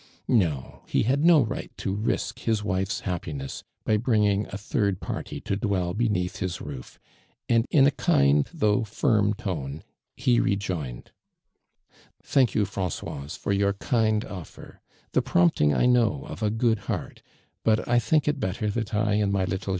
No, he had no right to risk his wife's hap pinoss hy bringing a third pirty to dwell beneath his roof, and in a kinil, though firm tone, ho rejoined :" Th ink you, Francoise, for your kind of fer, the prompting I know of a good heart, liut I think it better that I and my little <^!